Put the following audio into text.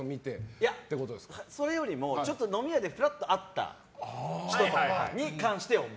いや、それよりも飲み屋でふらっと会った人とかに関しては。